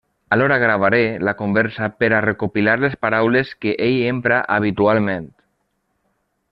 Alhora gravaré la conversa per a recopilar les paraules que ell empra habitualment.